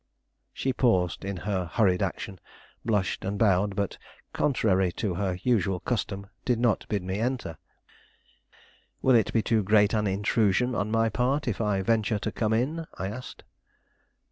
She paused in her hurried action, blushed and bowed, but, contrary to her usual custom, did not bid me enter. "Will it be too great an intrusion on my part, if I venture to come in?" I asked.